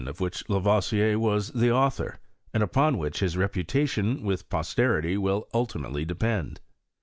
95 Qf which Lavoisier was the author, and upon which his reputation with posterity will ultimately depend.